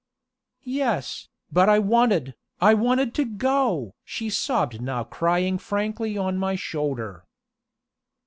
"Yes, but I wanted, I wanted to go!" she sobbed now crying frankly on my shoulder.